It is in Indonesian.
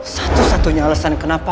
satu satunya alasan kenapa